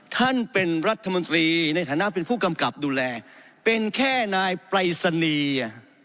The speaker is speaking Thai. ท่านเป็นรัฐมนตรีในฐานะเป็นผู้กำกับดูแลเป็นแค่นายปรายศนีย์